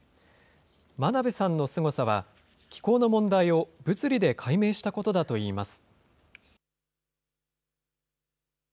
真鍋さんのすごさは、気候の問題を物理で解明したことだといいます。